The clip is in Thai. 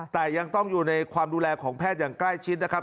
แต่ยังต้องอยู่ในความดูแลของแพทย์อย่างใกล้ชิดนะครับ